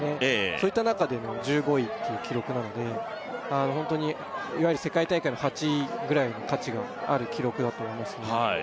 そういった中での１５位っていう記録なのでホントにいわゆる世界大会の８位ぐらいの価値がある記録だと思いますね